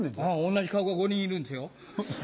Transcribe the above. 同じ顔が５人いるんですよ。